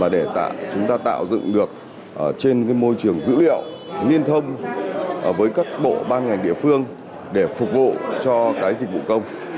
để chúng ta tạo dựng được trên môi trường dữ liệu liên thông với các bộ ban ngành địa phương để phục vụ cho dịch vụ công